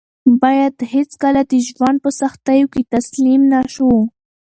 باید هېڅکله د ژوند په سختیو کې تسلیم نه شو.